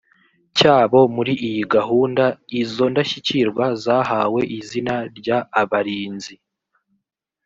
cyabo muri iyi gahunda izo ndashyikirwa zahawe izina ry abarinzi